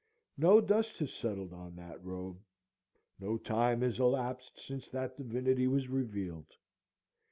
No dust has settled on that robe; no time has elapsed since that divinity was revealed.